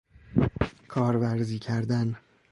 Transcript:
کارورزی کردن